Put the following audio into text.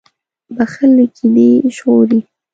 • بښل له کینې ژغوري.